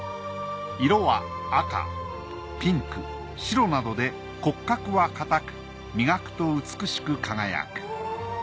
色は赤ピンク白などで骨格は硬く磨くと美しく輝く。